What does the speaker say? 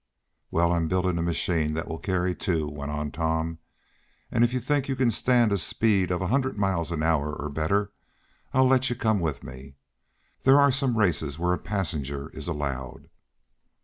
"Well, I'm building a machine that will carry two," went on Tom, "and if you think you can stand a speed of a hundred miles an hour, or better, I'll let you come with me. There are some races where a passenger is allowed."